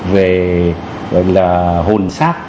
về hồn sát